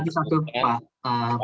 oke satu satu pak